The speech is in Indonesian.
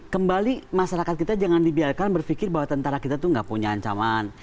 kembali masyarakat kita jangan dibiarkan berpikir bahwa tentara kita itu nggak punya ancaman